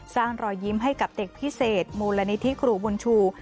รอยยิ้มให้กับเด็กพิเศษมูลนิธิครูบุญชู